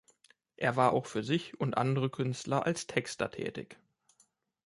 Er war auch für sich und andere Künstler als Texter tätig.